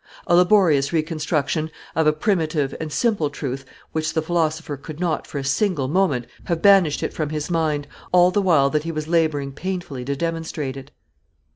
A laborious reconstruction of a primitive and simple truth which the philosopher could not, for a single moment, have banished from his mind all the while that he was laboring painfully to demonstrate it.